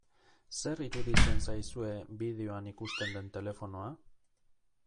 Zer iruditzen zaizue bideoan ikusten den telefonoa?